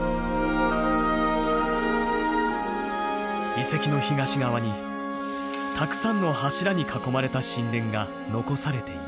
遺跡の東側にたくさんの柱に囲まれた神殿が残されていた。